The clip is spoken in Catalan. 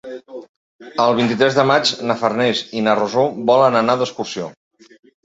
El vint-i-tres de maig na Farners i na Rosó volen anar d'excursió.